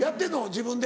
自分で。